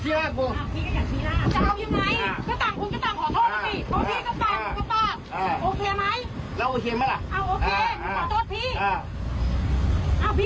พี่ก็ขอโทษพี่